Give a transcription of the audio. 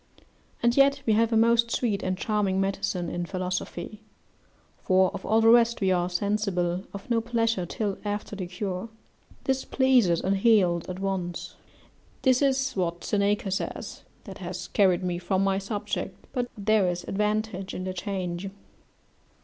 And yet we have a most sweet and charming medicine in philosophy; for of all the rest we are sensible of no pleasure till after the cure: this pleases and heals at once." This is what Seneca says, that has carried me from my subject, but there is advantage in the change.